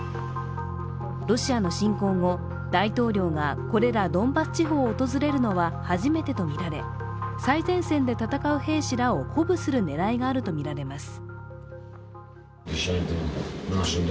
ロシアの侵攻後、大統領がこれらドンバス地方を訪れるのは初めてとみられ、最前線で戦う兵士らを鼓舞する狙いがあるとみられます。